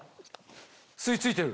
吸い付いてる？